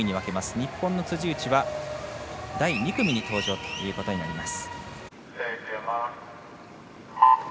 日本の辻内は第２組に登場ということになります。